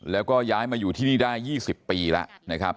แล้วก็ย้ายมาอยู่ที่นี่ได้๒๐ปีแล้วนะครับ